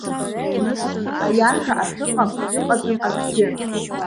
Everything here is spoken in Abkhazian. Аиаша ахьыҟам иҟаӡам акгьы.